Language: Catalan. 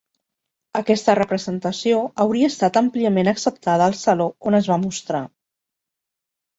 Aquesta representació hauria estat àmpliament acceptada al saló on es va mostrar.